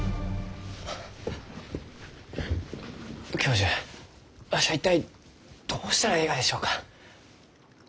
教授わしは一体どうしたらえいがでしょうか？